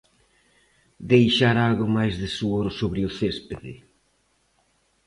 Deixar algo máis de suor sobre o céspede.